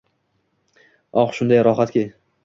Oh, shunday rohatki